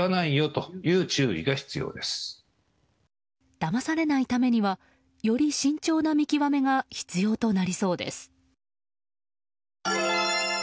騙されないためにはより慎重な見極めが必要となりそうです。